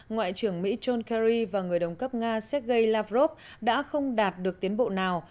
ngoại trưởng mỹ john kerry và người đồng cấp nga sergei lavrov đã không đạt được tiến bộ nào